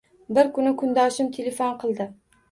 Bir kuni kundoshim telefon qildi